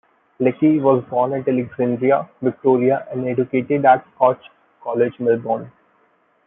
Leckie was born at Alexandra, Victoria and educated at Scotch College, Melbourne.